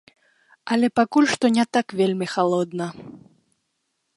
Але пакуль што не так вельмі халодна.